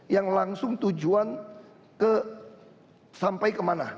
yang langsung tujuan sampai kemana